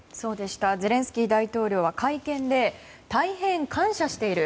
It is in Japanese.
ゼレンスキー大統領は会見で大変感謝している。